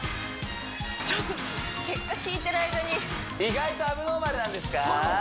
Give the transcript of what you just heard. ちょっと結果聞いてる間に意外とアブノーマルなんですか？